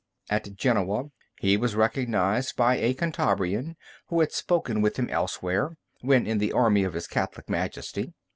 At Genoa, he was recognized by a Cantabrian, who had spoken with him elsewhere, when in the army of his Catholic Majesty.